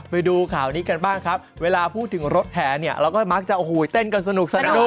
ไปดูข่าวนี้กันบ้างครับเวลาพูดถึงรถแห่เนี่ยเราก็มักจะโอ้โหเต้นกันสนุก